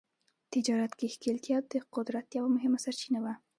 تجارت کې ښکېلتیا د قدرت یوه مهمه سرچینه وه.